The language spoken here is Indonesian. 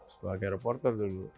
sebagai reporter dulu